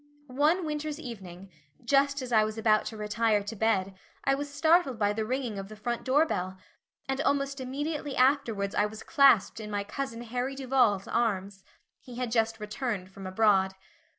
One winter's evening just as I was about to retire to bed I was startled by the ringing of the front door bell and almost immediately afterwards I was clasped in my cousin Harry Duval's arms. He had just returned from abroad.